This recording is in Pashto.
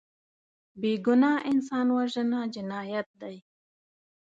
بېګناه انسان وژنه جنایت دی